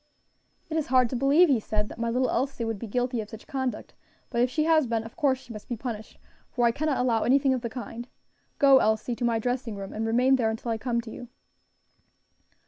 "It is hard to believe," he said, "that my little Elsie would be guilty of such conduct; but if she has been, of course she must be punished, for I cannot allow anything of the kind. Go. Elsie, to my dressing room and remain there until I come to you."